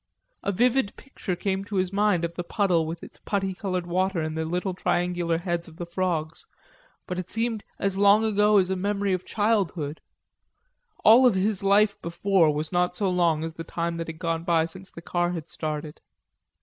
A vivid picture came to his mind of the puddle with its putty colored water and the little triangular heads of the frogs. But it seemed as long ago as a memory of childhood; all of his life before that was not so long as the time that had gone by since the car had started.